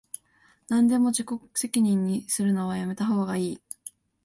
なんでも自己責任にするのはやめたほうがいい